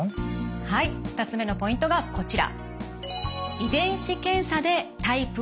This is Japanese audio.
はい２つ目のポイントがこちら。